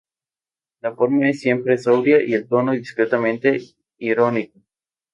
La forma es siempre sobria y el tono discretamente irónico.